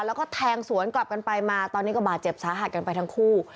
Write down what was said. แล้วก็แทงสวนกลับกันไปมาตอนนี้ก็บาดเจ็บสาหัสกันไปทั้งคู่